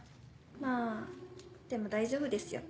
まぁでも大丈夫ですよ。